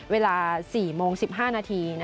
เวลา๔โมง๑๕นาที